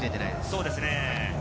そうですね。